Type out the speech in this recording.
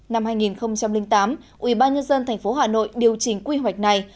năm hai nghìn tám ủy ba nhân dân thành phố hà nội điều chỉnh quy hoạch này